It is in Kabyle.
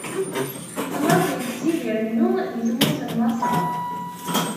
Laẓ ittzid irennu di tmurt n Maṣer.